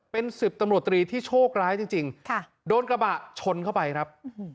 เป็น๑๐ตำรวจตรีที่โชคร้ายจริงโดนกระบะชนเข้าไปครับ